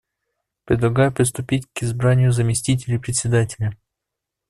Предлагаю приступить к избранию заместителей Председателя.